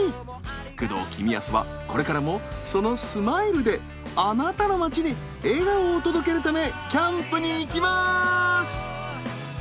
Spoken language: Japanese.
工藤公康はこれからもそのスマイルであなたの町に笑顔を届けるためキャンプに行きます！